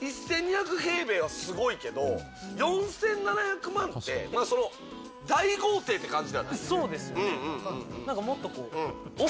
１２００平米はすごいけど、４７００万って大豪邸って感じではない。